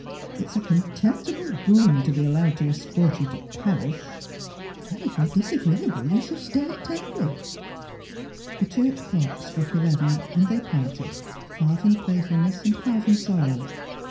It is a contemptible boon to be allowed to escort you to Paris.' ' If you are disagreeable you shall stay at Tangley.' The church clock struck eleven, and they parted, half in play fulness and half in sorrow.